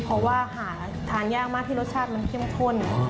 เพราะว่าหาทานยากมากที่รสชาติมันเข้มข้น